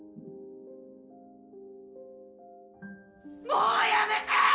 もうやめて！